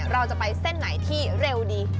เราจะไปเส้นไหนที่เร็วดี